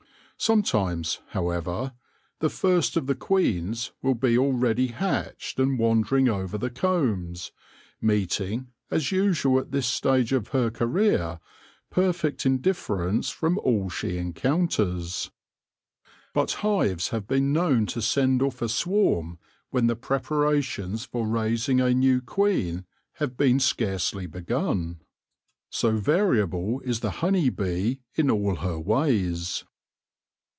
Some times, however, the first of the queens will be already hatched and wandering over the combs, meeting, as usual at this stage of her career, perfect indifference from all she encounters. But hives have been known to send off a swarm when the preparations for raising THE MYSTERY OF THE SWARM 131 a new queen have been scarcely begun. So variable is the honey bee in all her ways.